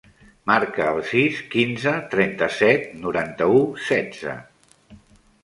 Marca el sis, quinze, trenta-set, noranta-u, setze.